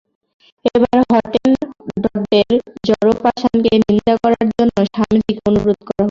একবার হটেনটটদের জড়োপাসনাকে নিন্দা করার জন্য স্বামীজীকে অনুরোধ করা হইল।